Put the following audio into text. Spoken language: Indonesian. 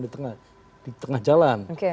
berjalan di tengah jalan